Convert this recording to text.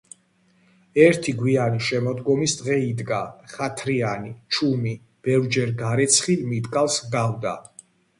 ერთი გვინი შემოდგომის დღე იდგა, ხათრიანი, ჩუმი, ბევრჯერ გარეცხილ მიტკალს ჰგავდა.